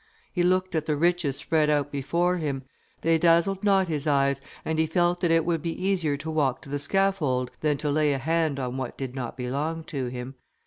He looked at the riches spread out before him; they dazzled not his eyes, and he felt that it would be easier to walk to the scaffold, than to lay a hand on what did not belong to him.